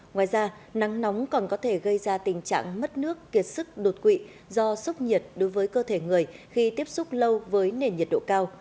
ngoài ra nắng nóng còn có thể gây ra tình trạng mất nước kiệt sức đột quỵ do sốc nhiệt đối với cơ thể người khi tiếp xúc lâu với nền nhiệt độ cao